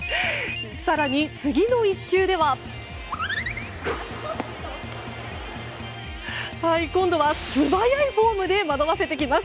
更に、次の１球では今度は素早いフォームで惑わせてきます。